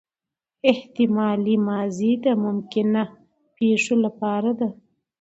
احتمالي ماضي د ممکنه پېښو له پاره ده.